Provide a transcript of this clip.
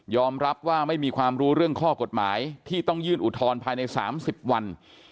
รับว่าไม่มีความรู้เรื่องข้อกฎหมายที่ต้องยื่นอุทธรณ์ภายใน๓๐วัน